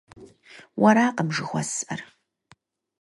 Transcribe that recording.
Уэракъым жыхуэсӏэр.